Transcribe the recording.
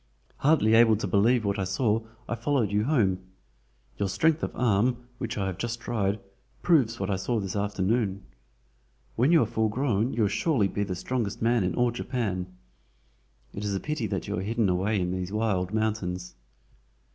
Hardly able to believe what I saw I followed you home. Your strength of arm, which I have just tried, proves what I saw this afternoon. When you are full grown you will surely be the strongest man in all Japan. It is a pity that you are hidden away in these wild mountains."